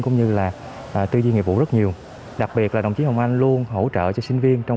cũng như là tư duy nghiệp vụ rất nhiều đặc biệt là đồng chí hồng anh luôn hỗ trợ cho sinh viên trong